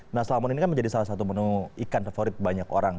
nah salmon ini kan menjadi salah satu menu ikan favorit banyak orang